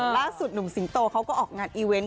ล่าสุดหนุ่มสิงโตเขาก็ออกงานอีเวนต์